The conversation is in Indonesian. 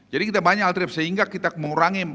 jadi kita banyak altrib sehingga kita mengurangi